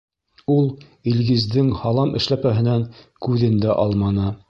Үҙе Илгиздең һалам эшләпәһенән күҙен дә алманы.